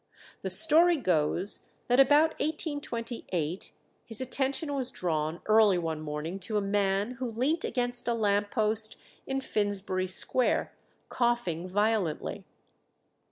The story goes, that about 1828 his attention was drawn early one morning to a man who leant against a lamp post in Finsbury Square, coughing violently.